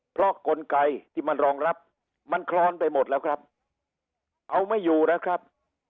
เพราะกลไกที่มันรองรับมันคล้อนไปหมดแล้วครับเอาไม่อยู่แล้วครับ